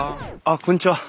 こんにちは。